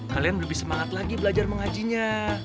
kalian lebih semangat lagi belajar mengajinya